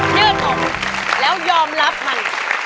ยืดอกแล้วยอมรับมัน